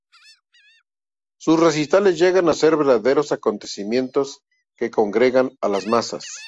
Sus recitales llegan a ser verdaderos acontecimientos que congregan a las masas.